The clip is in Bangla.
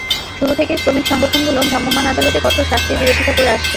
শুরু থেকেই শ্রমিক সংগঠনগুলো ভ্রাম্যমাণ আদালতে কঠোর শাস্তির বিরোধিতা করে আসছে।